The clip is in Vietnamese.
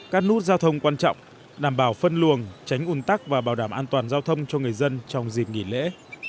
các nút giao thông quan trọng đảm bảo phân luồng tránh ủn tắc và bảo đảm an toàn giao thông cho người dân trong dịp nghỉ lễ